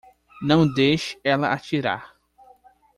Não deixe ela atirar.